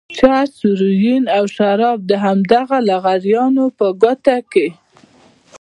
چرس، هيروين او شراب د همدغو لغړیانو په غوټو کې.